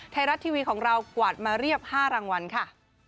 ไทยรัฐทีวีของเรากวาดมาเรียบ๕รางวัลค่ะ